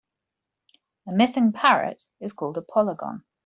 A missing parrot is called a polygon.